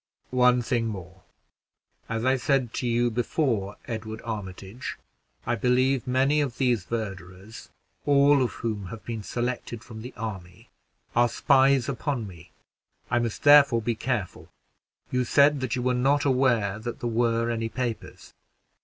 "One thing more. As I said to you before, Edward Armitage, I believe many of these verderers, all of which have been selected from the army, are spies upon me: I must therefore be careful. You said that you were not aware that there were any papers?"